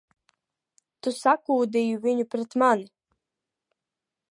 Tu sakūdīji viņu pret mani!